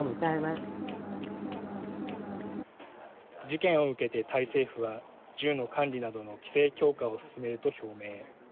事件を受けてタイ政府は銃の管理などの規制強化を進めると表明。